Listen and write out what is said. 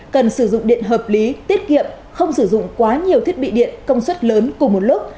cần sử dụng điện hợp lý tiết kiệm không sử dụng quá nhiều thiết bị điện công suất lớn cùng một lúc